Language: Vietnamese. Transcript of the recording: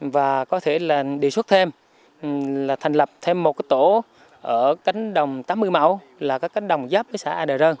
và có thể là đề xuất thêm là thành lập thêm một cái tổ ở cánh đồng tám mươi mẫu là các cánh đồng giáp với xã a đờ rơ